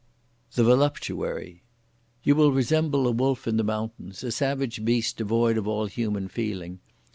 The Voluptuary. You will resemble a wolf in the mountains! a savage beast devoid of all human feeling!